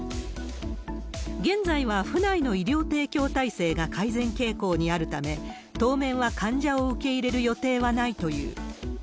現在は府内の医療提供体制が改善傾向にあるため、当面は患者を受け入れる予定はないという。